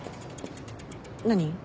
何？